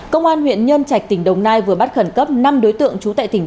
công an huyện nhân trạch tỉnh đồng nai vừa bắt khẩn cấp năm đối tượng